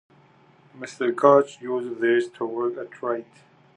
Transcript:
Mr. Gutch uses these to work a trade.